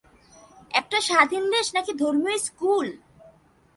একটা স্বাধীন দেশ নাকি ধর্মীয় স্কুল?